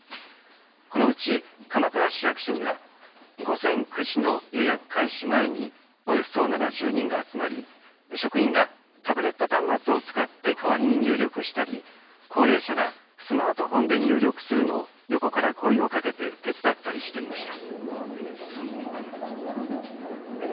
このうち鎌倉市役所には午前９時の予約開始前におよそ７０人が集まり、職員がタブレット端末を使って代わりに入力したり高齢者がスマートフォンで入力するのを横から声をかけて手伝ったりしていました。